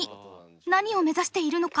何を目指しているのか？